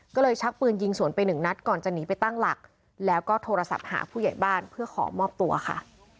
ก็เลยชักปืนยิงสวนไปหนึ่งนัดก่อนจะหนีไปตั้งหลักแล้วก็โทรศัพท์หาผู้ใหญ่บ้านเพื่อขอมอบตัวค่ะ